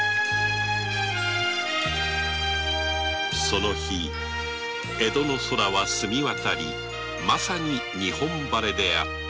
その日江戸の空は澄みわたりまさに日本晴れであった